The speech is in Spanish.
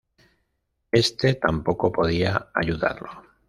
Este tampoco podía ayudarlo.